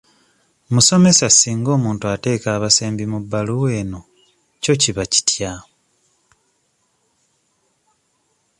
Musomesa singa omuntu ateeka abasembi mu bbaluwa eno kyo kiba kitya?